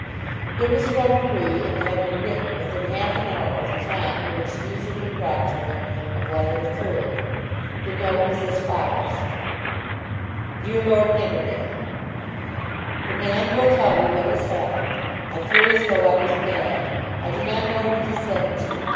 It was from Marie, and had been written within half an hour of the time at which news had been brought to her of what had occurred. The note was as follows: DEAR LORD NIDDERDALE, The man will tell you what has happened. I feel as though I was mad. I do not know who to send to.